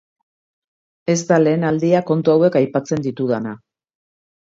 Ez da lehen aldia kontu hauek aipatzen ditudana.